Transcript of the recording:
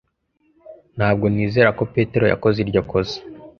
Ntabwo nizera ko Peter yakoze iryo kosa.